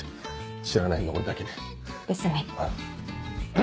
知らないの俺だけね？ですね。